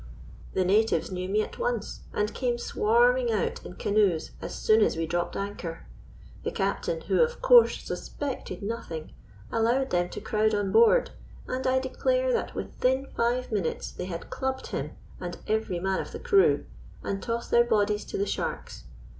The natives knew me at once, and came swarming out in canoes as soon as we dropped anchor. The captain, who of course suspected nothing, allowed them to crowd on board; and I declare that within five minutes they had clubbed him and every man of the crew and tossed their bodies to the sharks.